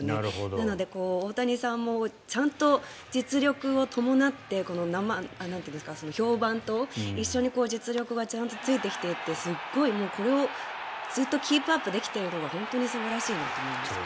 なので、大谷さんもちゃんと実力を伴って評判と一緒に実力がちゃんとついてきているってすごい、これをずっとキープアップできているのが本当に素晴らしいなと思います。